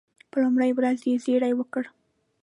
په لومړۍ ورځ یې زېری وکړ.